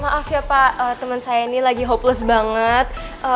maaf ya pak teman saya ini lagi hopeless banget